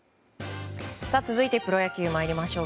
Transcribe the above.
続いてプロ野球に参りましょう。